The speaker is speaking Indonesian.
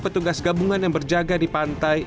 petugas gabungan yang berjaga di pantai